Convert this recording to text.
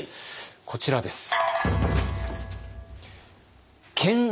こちらです。